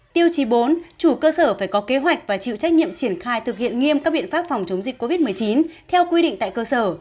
tiêu chí bốn chủ cơ sở phải có kế hoạch và chịu trách nhiệm triển khai thực hiện nghiêm các biện pháp phòng chống dịch covid một mươi chín theo quy định tại cơ sở